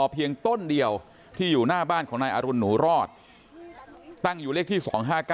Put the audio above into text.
เพียงต้นเดียวที่อยู่หน้าบ้านของนายอรุณหนูรอดตั้งอยู่เลขที่๒๕๙